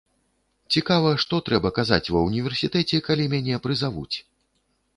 Цікава, што трэба казаць ва ўніверсітэце, калі мяне прызавуць?